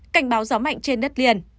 cảnh báo gió mạnh trên đất liền